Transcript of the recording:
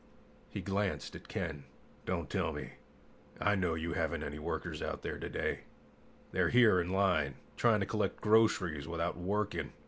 He glanced at Ken and said, "Don't tell me! I know you haven't any workers out there today. They're here in line, trying to collect groceries without working!"